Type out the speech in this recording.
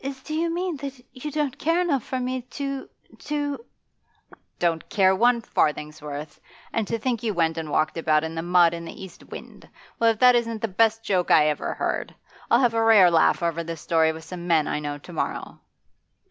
'Do you mean that you don't care enough for me to to ' 'Don't care one farthing's worth! And to think you went and walked about in the mud and the east wind! Well, if that isn't the best joke I ever heard! I'll have a rare laugh over this story with some men I know to morrow.